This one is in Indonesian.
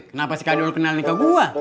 kenapa si kardi lo kenalin ke gua